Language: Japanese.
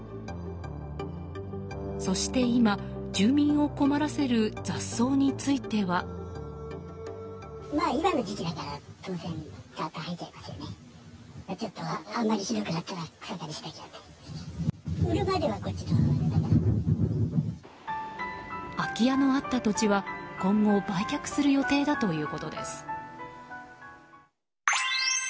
そして今、住民を困らせる雑草については。空き家のあった土地は、今後売却する予定だということです。